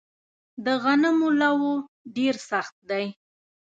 د غنمو لوو ډیر سخت دی